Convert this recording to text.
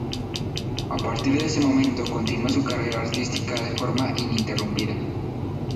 A partir de ese momento continúa su carrera artística de forma ininterrumpida.